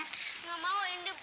nggak mau indri mau boneka yang ini